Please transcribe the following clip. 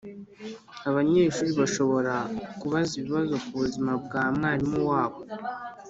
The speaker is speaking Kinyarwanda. abanyeshuri bashobora kubaza ibibazo ku buzima bwa mwarimu wabo,